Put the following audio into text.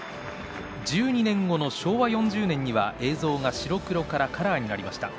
１２年後の昭和４０年に、映像が白黒からカラーになりました。